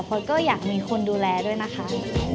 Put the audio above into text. เพราะก็อยากมีคนดูแลด้วยนะคะ